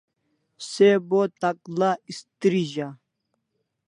Se bo takla istrizah